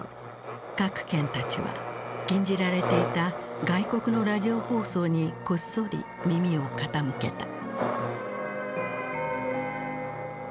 郭健たちは禁じられていた外国のラジオ放送にこっそり耳を傾けた。